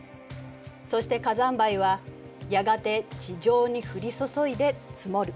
そして火山灰はやがて地上に降り注いで積もる。